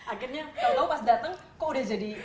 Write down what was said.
akhirnya kalau tau pas dateng kok udah jadi